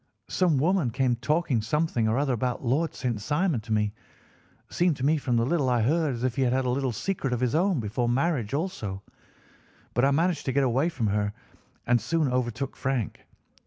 Some woman came talking something or other about Lord St. Simon to me—seemed to me from the little I heard as if he had a little secret of his own before marriage also—but I managed to get away from her and soon overtook Frank.